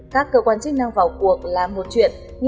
các cơ quan chức năng vào cuộc là một chuyện